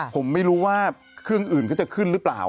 ผมไม่รู้ว่าเครื่องอื่นเขาจะขึ้นหรือเปล่า